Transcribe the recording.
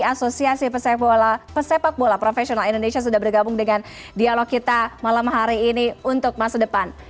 asosiasi pesepak bola profesional indonesia sudah bergabung dengan dialog kita malam hari ini untuk masa depan